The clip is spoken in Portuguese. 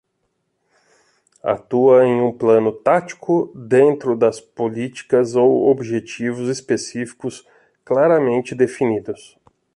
Atua em um plano tático, dentro das políticas ou objetivos específicos claramente definidos.